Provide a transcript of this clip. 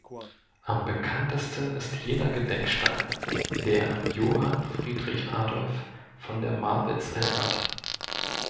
Am bekanntesten ist jener Gedenkstein, der an Johann Friedrich Adolf von der Marwitz erinnert.